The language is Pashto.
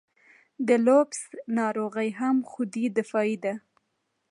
د لوپس ناروغي هم خودي دفاعي ده.